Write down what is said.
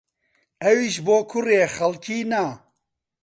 ئەویش بۆ کوڕێ خەڵکی نا